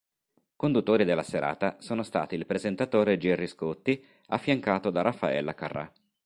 Conduttori della serata sono stati il presentatore Gerry Scotti, affiancato da Raffaella Carrà.